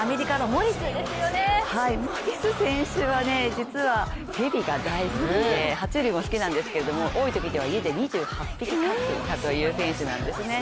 モリス選手は、実は蛇が大好きでは虫類も好きなんですけど多いときには家で２８匹飼っていたという選手なんですよね。